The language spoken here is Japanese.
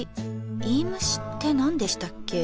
いいむしって何でしたっけ。